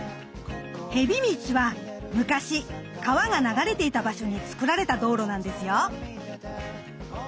へび道は昔川が流れていた場所に造られた道路なんですよ。